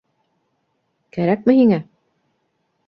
- Кәрәкме һиңә?